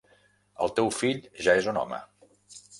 El teu fill ja és un home.